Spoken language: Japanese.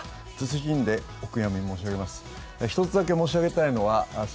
謹んでお悔やみ申し上げます。